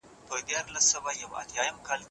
پوهه به عامه سي.